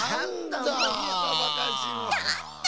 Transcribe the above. なんだ。